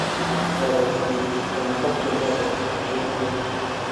ایا د پاني پت جګړه په ژمي کې وه؟